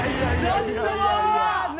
ちょっと！